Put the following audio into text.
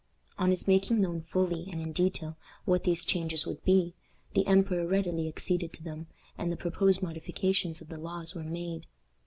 On his making known fully and in detail what these changes would be, the emperor readily acceded to them, and the proposed modifications of the laws were made.